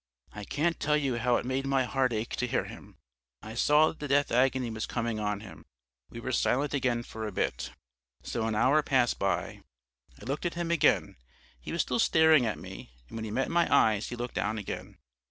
"I can't tell you how it made my heart ache to hear him. I saw that the death agony was coming on him. We were silent again for a bit. So an hour passed by. I looked at him again: he was still staring at me, and when he met my eyes he looked down again.